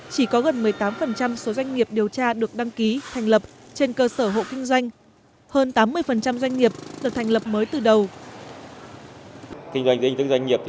chỉ có gần một mươi tám số doanh nghiệp điều tra được đăng ký thành lập trên cơ sở hộ kinh doanh